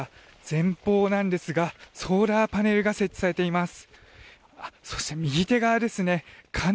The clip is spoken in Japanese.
前方なんですがソーラーパネルが設置されています。